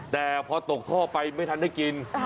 แต่พอตกท่อไปไม่ทันได้กิน